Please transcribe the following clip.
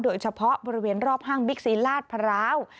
โดยเฉพาะบริเวณรอบห้างบิ๊กซีลาดพร้าว